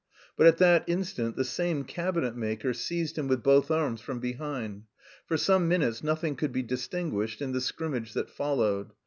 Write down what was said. But at that instant the same cabinetmaker seized him with both arms from behind. For some minutes nothing could be distinguished in the scrimmage that followed.